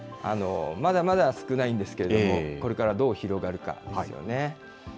まだまだ少ないんですけれども、これからどう広がるかですよね。